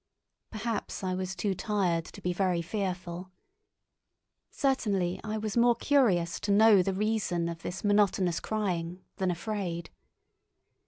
Perhaps I was too tired to be very fearful. Certainly I was more curious to know the reason of this monotonous crying than afraid.